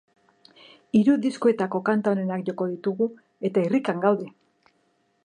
Hiru diskoetako kantu onenak joko ditugu, eta irrikan gaude!